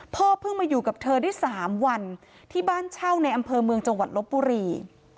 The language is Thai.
เพิ่งมาอยู่กับเธอได้๓วันที่บ้านเช่าในอำเภอเมืองจังหวัดลบบุรี